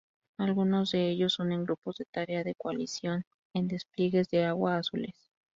Algunos de ellos unen grupos de tarea de coalición en despliegues de agua azules.